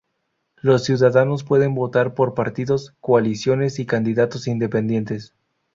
Los ciudadanos pueden votar por partidos, coaliciones y candidatos independientes.